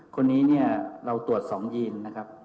คนนี้เราตรวจ๒ยีนนะครับ